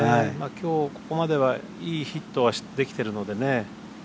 きょうここまではいいヒットはできてるのでね。